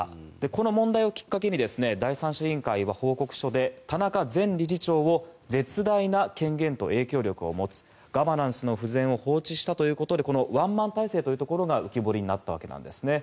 この問題をきっかけに第三者委員会は報告書で田中前理事長を絶大な権限と影響力を持つガバナンスの不全を放置したということでこのワンマン体制というところが浮き彫りになったわけなんですね。